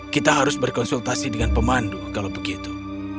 kita harus berkonsultasi dengan pemandu kalau begitu